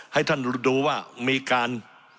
ให้ท่านดูว่ามีการ